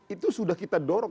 itu sudah kita dorong